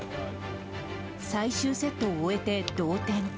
最終セットを終えて同点。